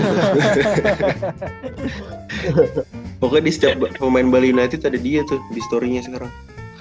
pokoknya di setiap pemain bali united ada dia tuh di storynya sekarang